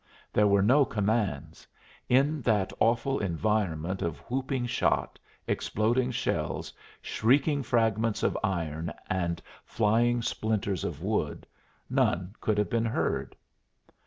There were no commands; in that awful environment of whooping shot, exploding shells, shrieking fragments of iron, and flying splinters of wood, none could have been heard.